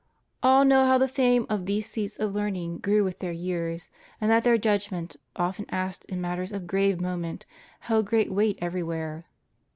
All know how the fame of these seats of learning grew with their years, and that their judgment, often asked in matters of grave moment, held great weight everywhere.